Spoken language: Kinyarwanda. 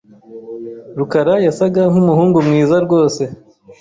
rukarayasaga nkumuhungu mwiza rwose.